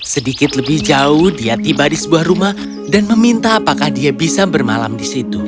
sedikit lebih jauh dia tiba di sebuah rumah dan meminta apakah dia bisa bermalam di situ